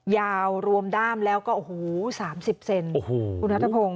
ยาวรวมด้ามแล้วก็โอ้โหสามสิบเซนโอ้โห